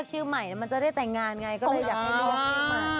ชื่อใหม่แล้วมันจะได้แต่งงานไงก็เลยอยากให้เลือกชื่อใหม่